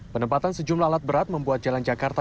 penempatan sejumlah alat berat membuat jalan jakarta